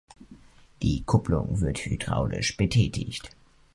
Die Kupplung wird hydraulisch betätigt.